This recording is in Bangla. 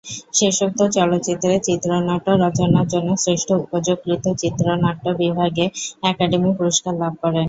শেষোক্ত চলচ্চিত্রের চিত্রনাট্য রচনার জন্য শ্রেষ্ঠ উপযোগকৃত চিত্রনাট্য বিভাগে একাডেমি পুরস্কার লাভ করেন।